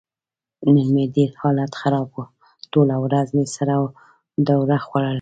نن مې ډېر حالت خراب و. ټوله ورځ مې سره دوره خوړله.